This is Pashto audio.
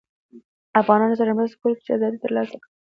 افغانانوسره مرسته کوله چې ازادي ترلاسه کړي